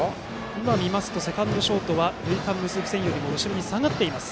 今、見ますとセカンド、ショートは塁間を結ぶ線よりも後ろに下がっています。